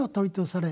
れ